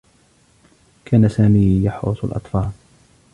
كان سامي يحرس الأطفال.